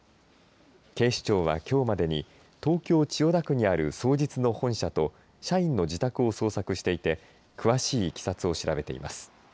警視庁はきょうまでに東京、千代田区にある双日の本社と社員の自宅を捜索していて詳しいいきさつを調べています。